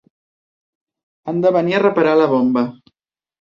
Han de venir a reparar la bomba.